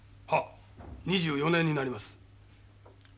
はっ２４年になります。